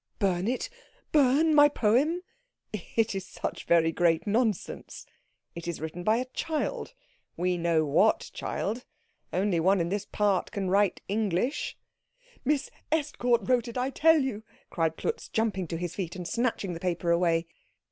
"Burn it? Burn my poem?" "It is such very great nonsense. It is written by a child. We know what child. Only one in this part can write English." "Miss Estcourt wrote it, I tell you!" cried Klutz, jumping to his feet and snatching the paper away.